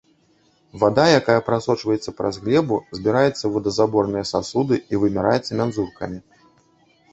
Вада, якая прасочваецца праз глебу, збіраецца ў водазаборныя сасуды і вымяраецца мензуркамі.